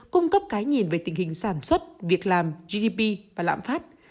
cung cấp cái nhìn về tình hình sản xuất việc làm gdp và lãm phát